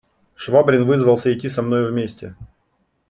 Швабрин вызвался идти со мною вместе.